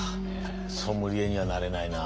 ソムリエにはなれないな。